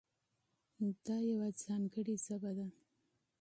دا یوه خاصه ژبه ده.